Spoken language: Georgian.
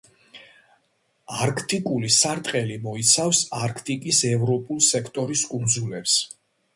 არქტიკული სარტყელი მოიცავს არქტიკის ევროპულ სექტორის კუნძულებს.